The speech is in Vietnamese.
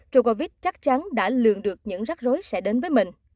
rovit chắc chắn đã lường được những rắc rối sẽ đến với mình